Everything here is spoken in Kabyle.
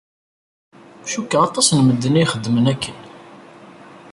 Cukkeɣ aṭas n medden i ixeddmen akken.